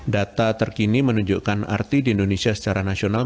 data terkini menunjukkan arti di indonesia secara nasional